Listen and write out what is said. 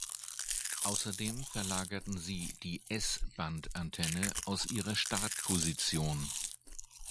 Außerdem verlagerten sie die S-Band-Antenne aus ihrer Startposition.